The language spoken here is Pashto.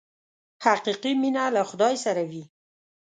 حقیقي مینه له خدای سره وي.